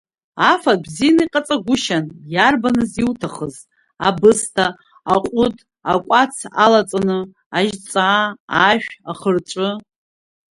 Афатә бзианы иҟаҵагәышьан, иарбаныз иуҭахыз абысҭа, аҟәыд акәац алаҵаны, ажьҵаа, ашә, ахырҵәы.